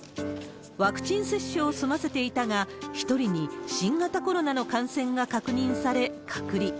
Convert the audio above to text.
ワクチン接種を済ませていたが、１人に新型コロナの感染が確認され、隔離。